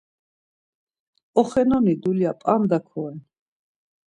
Oxenoni dulya p̌anda koren.